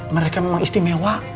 mereka memang istimewa